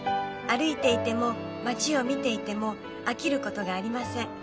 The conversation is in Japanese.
歩いていても街を見ていても飽きることがありません。